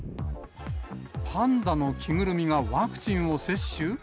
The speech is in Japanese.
パンダの着ぐるみがワクチンを接種？